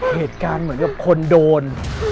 เหตุการณ์เหมือนกับคนโดน